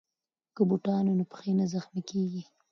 که بوټان وي نو پښې نه زخمي کیږي.